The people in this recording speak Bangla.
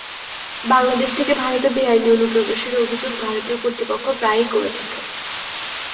বাংলাদেশ থেকে ভারতে বেআইনি অনুপ্রবেশের অভিযোগ ভারতীয় কর্তৃপক্ষ প্রায়ই করে থাকে।